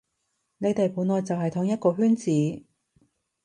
你哋本來就喺同一個圈子